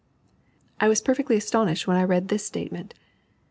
I was perfectly astonished when I read this statement.